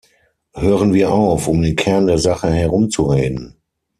Hören wir auf, um den Kern der Sache herumzureden.